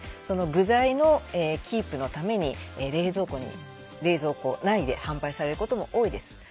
具材のキープのために冷蔵庫内で販売されることも多いです。